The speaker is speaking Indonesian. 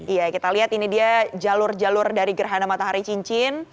iya kita lihat ini dia jalur jalur dari gerhana matahari cincin